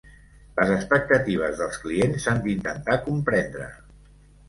Les expectatives dels clients s'han d'intentar comprendre.